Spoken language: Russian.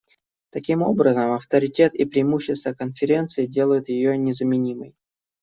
Таким образом, авторитет и преимущества Конференции делают ее незаменимой.